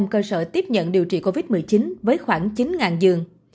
sáu mươi năm cơ sở tiếp nhận điều trị covid một mươi chín với khoảng chín giường